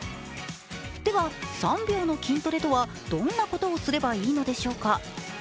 では３秒の筋トレとはどんなことをすればいいのでしょうか。